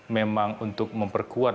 memang untuk memperkuat